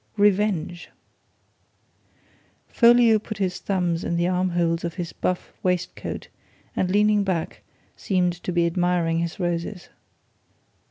"Revenge!" Folliot put his thumbs in the armholes of his buff waistcoat and leaning back, seemed to be admiring his roses.